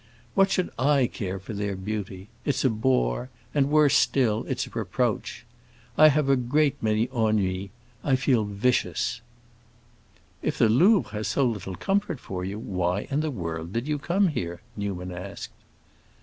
What should I care for their beauty? It's a bore, and, worse still, it's a reproach. I have a great many ennuis; I feel vicious." "If the Louvre has so little comfort for you, why in the world did you come here?" Newman asked.